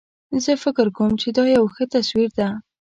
زه فکر کوم چې دا یو ښه تصویر ده